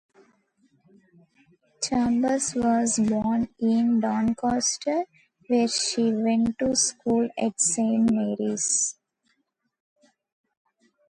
Chambers was born in Doncaster, where she went to school at Saint Mary's.